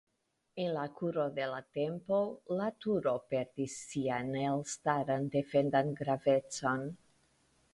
En la kuro de la tempo la turo perdis sian elstaran defendan gravecon.